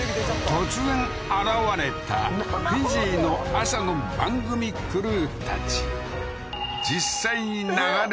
突然現れたフィジーの朝の番組クルーたち